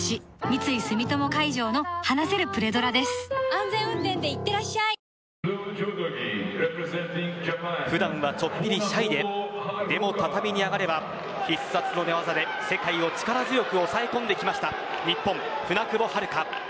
安全運転でいってらっしゃい普段はちょっぴりシャイででも畳に上がれば必殺の寝技で世界を力強く抑え込んできました日本、舟久保遥香。